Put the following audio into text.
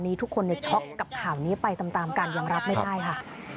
นี้ทุกคนเนี่ยช็อคกับข่าวนี้ไปตามตามการยอมรับไม่ได้ค่ะ